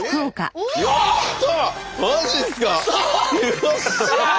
よっしゃ！